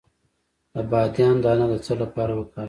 د بادیان دانه د څه لپاره وکاروم؟